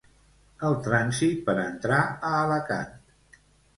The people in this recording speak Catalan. El trànsit per entrar a Alacant.